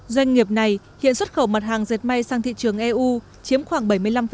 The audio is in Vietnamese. doanh nghiệp này hiện xuất khẩu mặt hàng dệt may sang thị trường eu chiếm khoảng bảy mươi năm